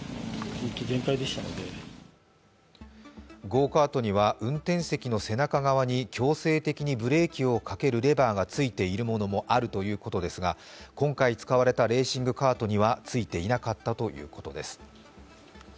ゴーカートには運転席の背中側に強制的にブレーキをかけるレバーがついているものもあるということですが、今回使われたレーシングカートにはついていなかったということです。